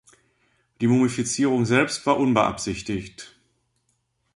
Die Mumifizierung selbst war unbeabsichtigt.